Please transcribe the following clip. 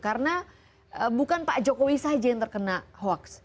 karena bukan pak jokowi saja yang terkena hoax